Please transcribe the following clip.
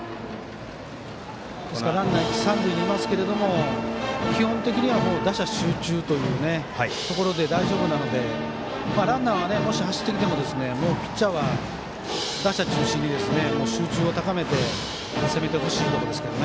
ランナーが一塁三塁にいますけど基本的には打者集中で大丈夫なのでランナーがもし、走ってきてもピッチャーは打者中心に集中を高めて攻めてほしいです。